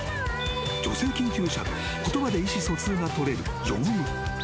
女性研究者と言葉で意思疎通が取れるヨウム。